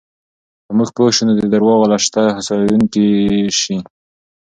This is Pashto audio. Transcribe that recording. که موږ پوه شو، نو د درواغو له شته هوسایونکی شي.